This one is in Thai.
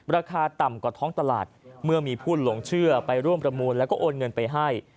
ราคาต่ำกว่าท้องตลาดเมื่อมีผู้หลงเชื่อไปร่วมประมูลแล้วก็โอนเงินไปให้